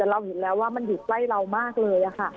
แล้วเห็นแล้วว่ามันหยุดใต้เรามากเลย